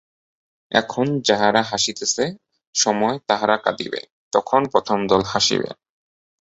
আবার এখন যাহারা হাসিতেছে, সময়ে তাহারা কাঁদিবে, তখন প্রথম দল হাসিবে।